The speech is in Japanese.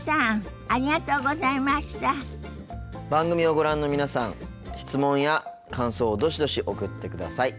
番組をご覧の皆さん質問や感想をどしどし送ってください。